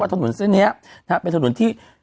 ถนนเส้นนี้เป็นถนนที่